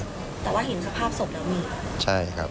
แต่ว่าเห็นสภาพศพแล้วมีใช่ครับ